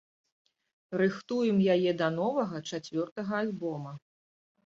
Рыхтуем яе да новага, чацвёртага альбома.